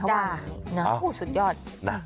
ได้พรุ่งสุดยอด